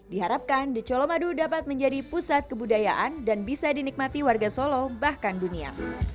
diharapkan the colomadu dapat menjadi pusat kebudayaan dan bisa dinikmati warga solo bahkan dunia